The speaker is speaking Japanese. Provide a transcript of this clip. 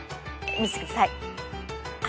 見せてください。